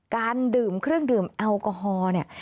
การดื่มเครื่องดื่มแอลกอฮอล์เนี่ย